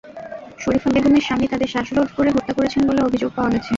শরিফা বেগমের স্বামী তাদের শ্বাসরোধ করে হত্যা করেছেন বলে অভিযোগ পাওয়া গেছে।